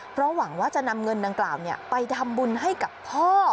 เพราะหวังว่าจะนำเงินดังกล่าวไปทำบุญให้กับพ่อ